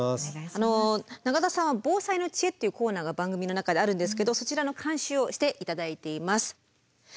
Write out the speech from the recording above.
永田さんは「防災の知恵」っていうコーナーが番組の中であるんですけどそちらの監修をして頂いています。